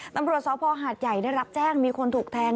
จากที่ผู้ชายได้รับแจ้งมีคนถูกแทง